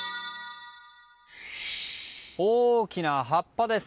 大きな葉っぱです。